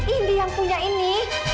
indy yang punya ini